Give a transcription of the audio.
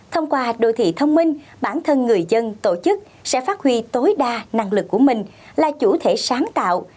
thông qua đô thị thông minh bản thân người dân tổ chức sẽ phát huy tối đa năng lực của mình là chủ thể sáng tạo